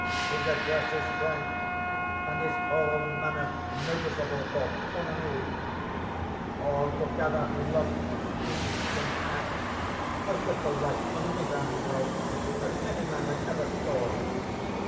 His address is frank, and his whole manner noticeable for bonhomie. Altogether, he looks, speaks, and acts as little like 'a misanthrope' as any man I ever saw.